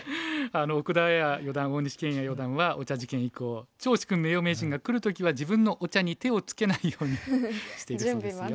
奥田あや四段大西研也四段はお茶事件以降趙治勲名誉名人が来る時は自分のお茶に手をつけないようにしているそうですよ。